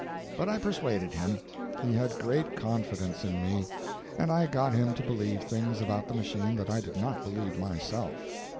But I persuaded him. He had great confidence in me, and I got him to believe things about the machine that I did not believe myself.